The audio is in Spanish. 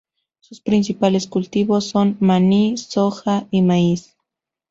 Sus principales cultivos son maní, soja y maíz.